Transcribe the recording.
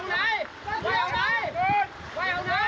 ไม่ใช่เยือนรถมันจะโค่นลงมา